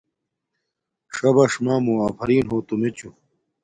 ݽَبَݽ مݳمݸ آفرݵن ہݸ تُمݵچُݸ.